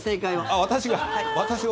あっ、私が？